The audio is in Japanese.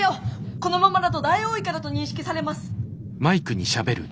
このままだとだいおういかだと認識されます！